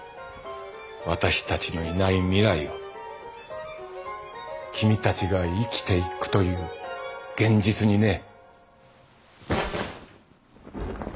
わたしたちのいない未来を君たちが生きていくという現実にね。